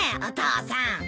お父さん。